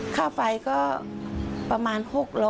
ค่าไฟก็ประมาณ๖๐๐